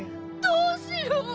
どうしよう。